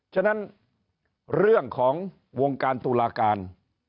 ฉะนั้นเรื่องของวงการตุลาการ